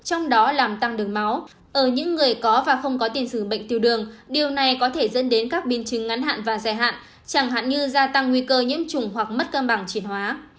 ở những người có và không có tiền sử bệnh tiêu đường điều này có thể dẫn đến các biến chứng ngắn hạn và dài hạn chẳng hạn như gia tăng nguy cơ nhiễm chủng hoặc mất cơ bằng truyền hóa